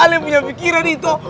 ale punya pikiran itu